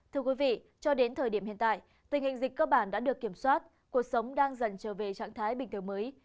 thưa quý vị cho đến thời điểm hiện tại tình hình dịch cơ bản đã được kiểm soát cuộc sống đang dần trở về trạng thái bình thường mới